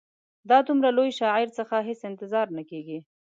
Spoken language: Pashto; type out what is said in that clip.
دا د دومره لوی شاعر څخه هېڅ انتظار نه کیږي.